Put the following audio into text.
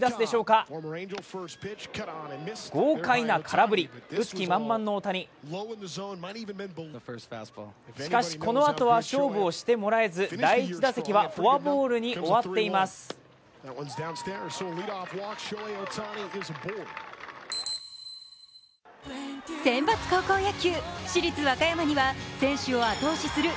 しかしこのあとは勝負をしてもらえず、第１打席はフォアボールに終わっています。